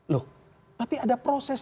loh tapi ada proses